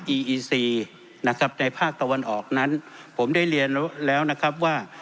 ีอีซีนะครับในภาคตะวันออกนั้นผมได้เรียนแล้วนะครับว่า